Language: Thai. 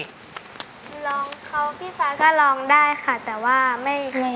ก็ร้องได้ค่ะแต่ว่า